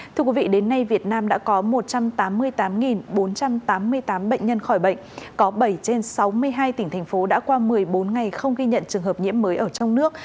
thưa quý vị đến nay việt nam đã có một trăm tám mươi tám bốn trăm tám mươi tám bệnh nhân khỏi bệnh có bảy trên sáu mươi hai tỉnh thành phố đã qua một mươi bốn ngày không ghi nhận trường hợp nhiễm mới ở trong nước